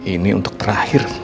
ini untuk terakhir